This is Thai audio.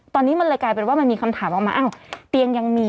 ตอนนี้มันเลยกลายเป็นว่ามันมีคำถามออกมาอ้าวเตียงยังมี